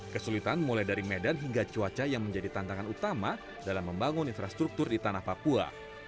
kesulitan mulai dari medan hingga cuaca yang menjadi tantangan utama dalam membangun infrastruktur di tanah papua